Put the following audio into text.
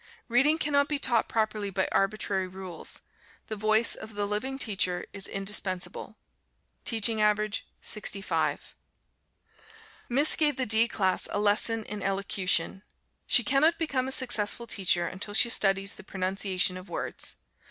Reading cannot be taught properly by arbitrary rules, the voice of the living teacher is indispensable. Teaching average 65. Miss gave the D class a lesson in Elocution. She cannot become a successful teacher until she studies the pronunciation of words.